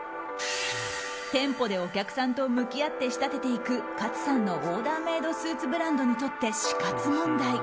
店舗でお客さんと向き合って仕立てていく勝さんのオーダーメイドスーツブランドにとって死活問題。